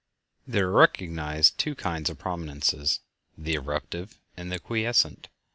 There are recognized two kinds of prominences—the "erruptive" and the "quiescent."